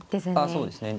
そうですね。